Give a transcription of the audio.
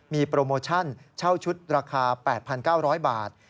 มีโปรโมชั่นเช่าชุดราคา๘๙๐๐บาท